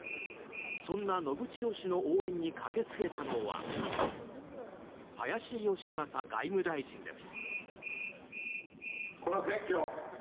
そんな信千世氏の応援に駆けつけたのは林芳正外務大臣です。